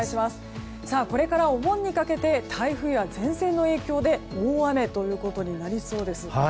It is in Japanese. これからお盆にかけて台風や前線の影響で大雨ということになりそうです。